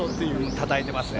たたえていますね。